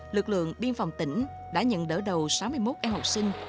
lực lượng biên phòng tỉnh đã nhận đỡ đầu sáu mươi một em học sinh